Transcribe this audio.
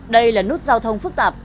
đây là nút giao thông phức tạp